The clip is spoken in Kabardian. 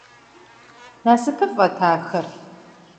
Насыпыфӏэт ахэр!